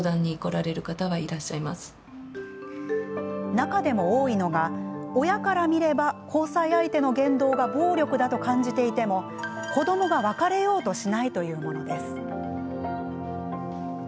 中でも多いのが、親から見れば交際相手の言動が暴力だと感じていても子どもが別れようとしないというものです。